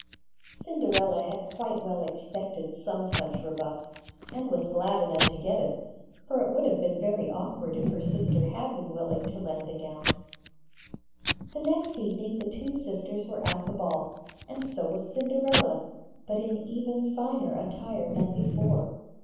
Cinderella had quite well expected some such rebuff, and was glad enough to get it, for it would have been very awkward if her sister had been willing to lend the gown. The next evening the two sisters were at the ball; and so was Cinderella, but in even finer attire than before.